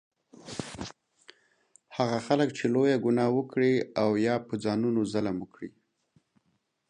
هغه خلک چې لویه ګناه وکړي او یا په ځانونو ظلم وکړي